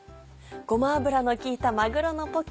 ごま油の効いたまぐろのポキ。